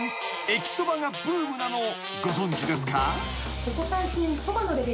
駅そばがブームなのをご存じですか？］